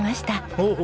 おお！